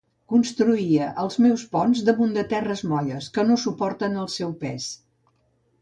Construïa els meus ponts damunt de terres molles, que no suporten el seu pes.